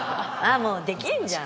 もうできんじゃん。